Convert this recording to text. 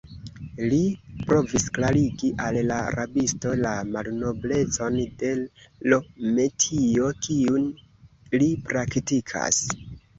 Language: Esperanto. Li provis klarigi al la rabisto la malnoblecon de l' metio, kiun li praktikas.